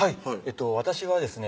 私はですね